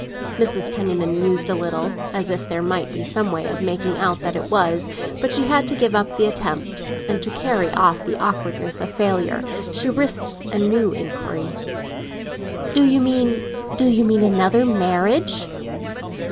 Mrs. Penniman mused a little, as if there might be some way of making out that it was; but she had to give up the attempt, and, to carry off the awkwardness of failure, she risked a new inquiry. "Do you mean—do you mean another marriage?"